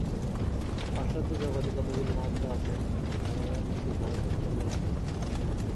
পাশ্চাত্য জগতে কতকগুলি মহাত্মা আছেন, যাঁহারা নিশ্চিত ভারতের কল্যাণাকাঙ্ক্ষী।